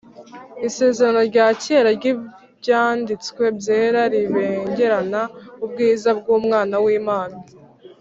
Isezerano rya Kera ry’Ibyanditswe Byera ribengerana ubwiza bw’Umwana w’Imana